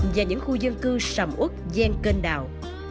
và những khu dân cư sầm út gian kênh đào